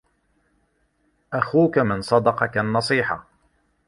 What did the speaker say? أخوك من صدقك النصيحة